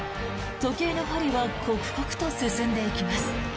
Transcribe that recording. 時計の針は刻々と進んでいきます。